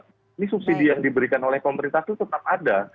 ini subsidi yang diberikan oleh pemerintah itu tetap ada